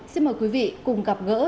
xin mời quý vị cùng gặp ngỡ